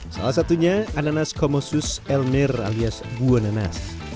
salah satunya anas komosus elmer alias buah nanas